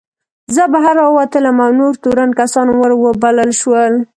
زه بهر راووتلم او نور تورن کسان ور وبلل شول.